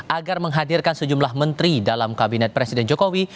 agar menghadirkan sejumlah menteri dalam kabinet presiden jokowi